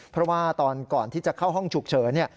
เพราะว่าตอนก่อนที่จะเข้าห้องฉุกเฉินเนี่ย